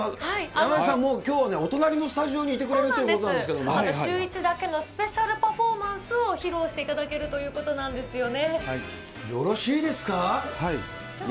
山崎さん、もうきょうはね、お隣のスタジオにいてくれるといシューイチだけのスペシャルパフォーマンスを披露していただけるということなんですよね。